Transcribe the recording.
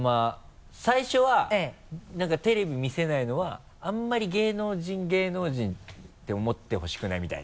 最初は何かテレビ見せないのはあんまり芸能人芸能人って思ってほしくないみたいな？